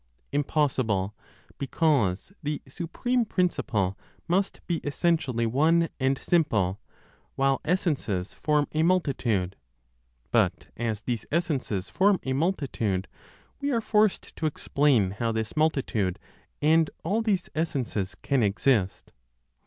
Impossible, because the supreme Principle must be essentially one, and simple, while essences form a multitude. But as these essences form a multitude, we are forced to explain how this multitude, and all these essences can exist.